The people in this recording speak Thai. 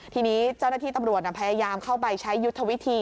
ทีนี้เจ้าหน้าที่ตำรวจพยายามเข้าไปใช้ยุทธวิธี